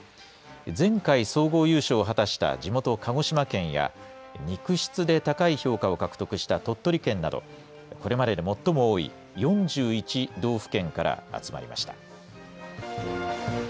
前回総合優勝を果たした地元、鹿児島県や、肉質で高い評価を獲得した鳥取県など、これまでで最も多い４１道府県から集まりました。